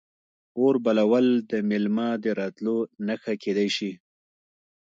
اور بلول د میلمه د راتلو نښه کیدی شي.